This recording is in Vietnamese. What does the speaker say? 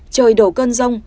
trời đổ cơn rông